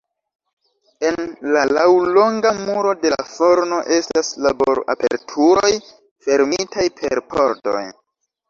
En la laŭlonga muro de la forno estas labor-aperturoj fermitaj per pordoj.